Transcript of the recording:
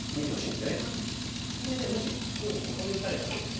これでもし黒にここに打たれたらどうです？